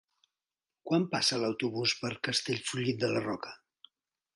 Quan passa l'autobús per Castellfollit de la Roca?